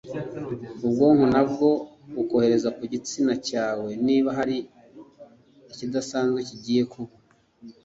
ubwonko nabwo bukohereza ku gitsina cyawe niba hari ikidasanzwe kigiye kuba